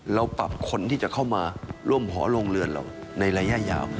เราปรับคนที่จะเข้ามาร่วมหอโรงเรือนเราในระยะยาว